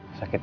aku mau pergi